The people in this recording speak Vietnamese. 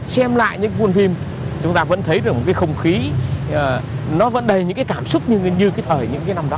xem lại những buôn phim chúng ta vẫn thấy được một cái không khí nó vẫn đầy những cái cảm xúc như cái thời những cái năm đó